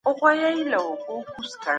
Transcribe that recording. دا ناسمه ده چي لویان هېڅکله اشتباه نه کوي.